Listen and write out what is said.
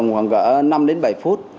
khoảng năm bảy phút